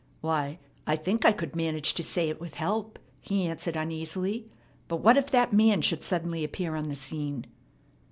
"Why, I think I could manage to say it with help," he answered uneasily. "But what if that man should suddenly appear on the scene?"